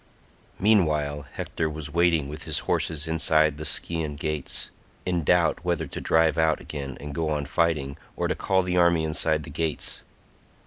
Meanwhile Hector was waiting with his horses inside the Scaean gates, in doubt whether to drive out again and go on fighting, or to call the army inside the gates.